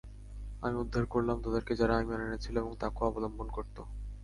আমি উদ্ধার করলাম তাদেরকে যারা ঈমান এনেছিল এবং তাকওয়া অবলম্বন করত।